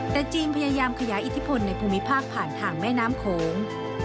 แต่จีนพยายามขยายอิทธิพลในภูมิภาคผ่านทางแม่น้ำโขง